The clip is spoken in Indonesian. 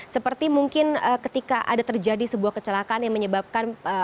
seperti mungkin ketika ada terjadi sebuah kecelakaan yang menyebabkan hal hal tersebut